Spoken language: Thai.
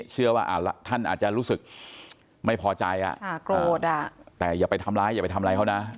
เชื่อว่าท่านอาจจะรู้สึกไม่พอใจอ่ะโกรธแต่อย่าไปทำร้ายอย่าไปทำอะไรเขานะ